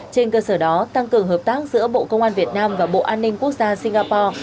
trên cơ sở đó tăng cường hợp tác giữa bộ công an việt nam và bộ an ninh quốc gia singapore